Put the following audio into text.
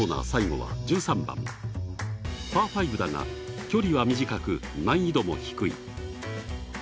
最後は１３番パー５打が距離は短く難易度も低い。